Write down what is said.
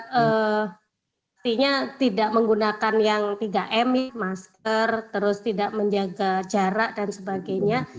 artinya tidak menggunakan yang tiga m masker terus tidak menjaga jarak dan sebagainya